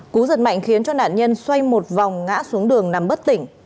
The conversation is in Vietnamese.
cú giật mạnh khiến cho nạn nhân xoay một vòng ngã xuống đường nằm bất tỉnh